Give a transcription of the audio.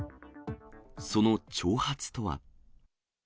その挑発とは。